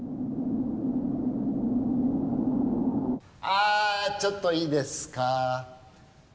あーちょっといいですか。